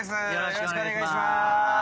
よろしくお願いします。